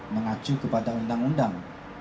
mengacu kepada undang undang